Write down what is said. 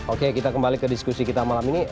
oke kita kembali ke diskusi kita malam ini